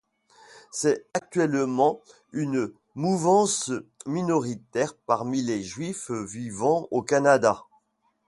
C'est actuellement une mouvance minoritaire parmi les Juifs vivant au Canada.